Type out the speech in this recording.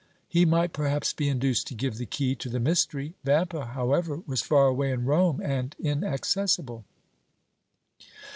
He might, perhaps, be induced to give the key to the mystery. Vampa, however, was far away in Rome and inaccessible.